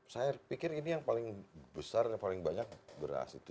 saya pikir ini yang paling besar dan paling banyak beras itu